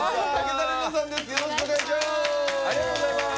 よろしくお願いします。